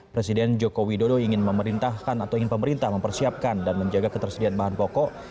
presiden joko widodo ingin pemerintah mempersiapkan dan menjaga ketersediaan bahan pokok